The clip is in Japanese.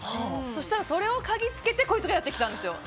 そうしたらそれをかぎつけてこいつがやって来たんですよ。